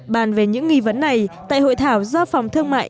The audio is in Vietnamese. bàn về những nghi vấn này tại hội thảo do phòng thương mại